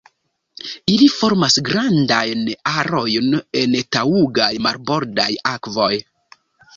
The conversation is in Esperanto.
Ili formas grandajn arojn en taŭgaj marbordaj akvoj.